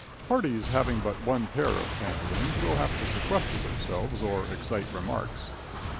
Parties having but one pair of pantaloons will have to sequester themselves or excite remarks.